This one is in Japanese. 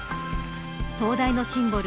東大のシンボル